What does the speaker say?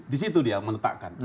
di situ dia meletakkan